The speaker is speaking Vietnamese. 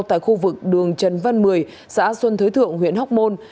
tại khu vực đường trần văn một mươi xã xuân thới thượng huyện hóc môn